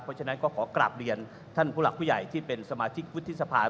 เพราะฉะนั้นก็ขอกราบเรียนท่านผู้หลักผู้ใหญ่ที่เป็นสมาชิกวุฒิสภา